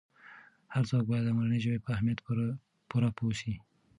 هر څوک باید د مورنۍ ژبې په اهمیت پوره پوه سي.